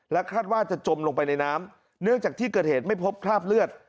คาดว่าจะจมลงไปในน้ำเนื่องจากที่เกิดเหตุไม่พบคราบเลือด